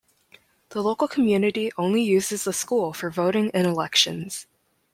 The local community only uses the school for voting in elections.